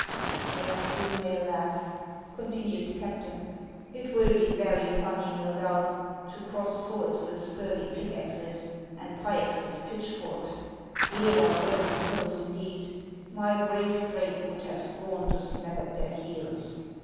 " Yes, you may laugh," continued the captain. " It will be very funny, no doubt, to cross swords with scurvy pick axes, and pikes with pitchforks ! Here are worthy foes indeed ! My brave Drake would have scorned to snap at their heels